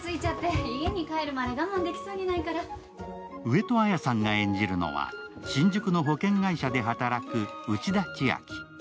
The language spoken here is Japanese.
上戸彩さんが演じるのは、新宿の保険会社で働く内田千秋。